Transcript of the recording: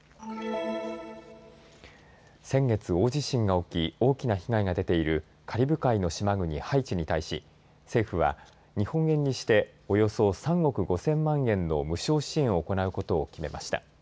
先月、大地震が起き大きな被害が出ているカリブ海の島国ハイチに対し政府は日本円にしておよそ３億５０００万円の無償支援を行うことを決めました。